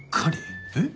えっ？